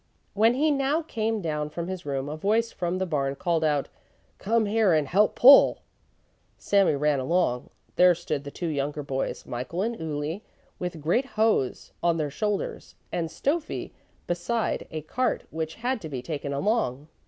When he now came down from his room a voice from the barn called out: "Come here and help pull." Sami ran along. There stood the two younger boys, Michael and Uli, with great hoes on their shoulders, and Stöffi beside a cart which had to be taken along.